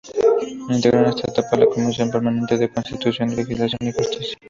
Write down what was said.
Integró en esta etapa la comisión permanente de Constitución, Legislación y Justicia.